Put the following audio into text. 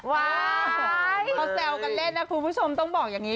เขาแซวกันเล่นนะคุณผู้ชมต้องบอกอย่างนี้